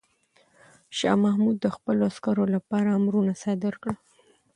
شاه محمود د خپلو عسکرو لپاره امرونه صادر کړل.